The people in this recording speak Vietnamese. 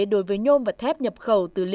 đối với nhôm và thép nhập khẩu